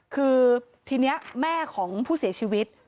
คือทีนี้แม่ของผู้เสียชีวิต